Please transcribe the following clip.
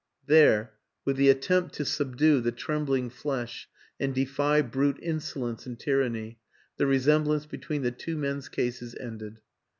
There with the attempt to subdue the trembling flesh and defy brute insolence and tyranny the resemblance between the two men's cases ended.